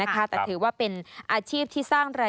พี่ทศพรบอกว่าเดือนนึงนี้นะ